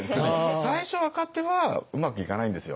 最初若手はうまくいかないんですよ。